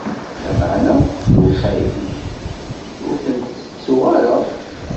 Lameɛna, lewṣayat-ik ur tent-ttettuɣ ara.